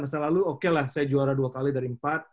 masa lalu oke lah saya juara dua kali dari empat